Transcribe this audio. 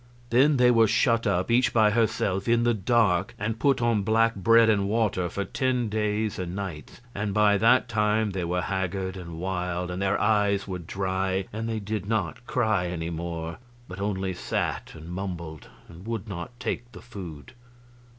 Then they were shut up, each by herself, in the dark, and put on black bread and water for ten days and nights; and by that time they were haggard and wild, and their eyes were dry and they did not cry any more, but only sat and mumbled, and would not take the food.